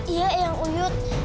iya yang uyut